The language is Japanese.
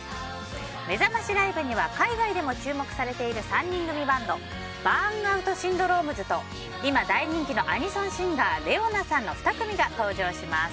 めざましライブには海外でも注目されている３人組バンドＢＵＲＮＯＵＴＳＹＮＤＲＯＭＥＳさんと今人気のアニソンシンガーＲｅｏＮａさんの２組が登場します。